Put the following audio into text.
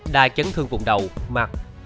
đai chấn thương vùng đầu mặt